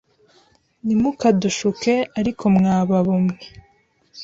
ntimukadushuke ariko mwababo mwe